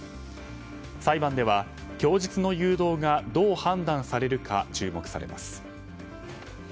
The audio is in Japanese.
裁判では、供述の誘導がどう判断されるか注目されます。